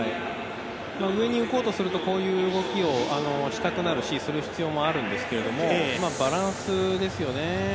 上に行こうとするとこういうふうにしたくなるし、そうする必要があるんですけどバランスですよね。